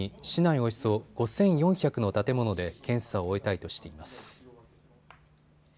およそ５４００の建物で検査を終えたいとしています。